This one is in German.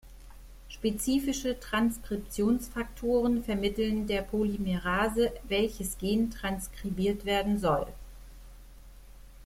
Spezifische Transkriptionsfaktoren vermitteln der Polymerase, "welches" Gen transkribiert werden soll.